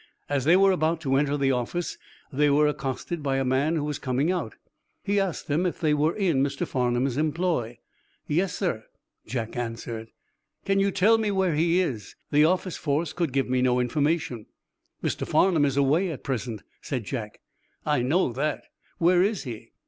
As they were about to enter the office they were accosted by a man who was coming out. He asked them if they were in Mr. Farnum's employ. "Yes, sir," Jack answered. "Can you tell me where he is? The office force could give me no information." "Mr. Farnum is away at present," said Jack. "I know that! Where is he?"